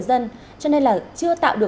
dễ tử ạ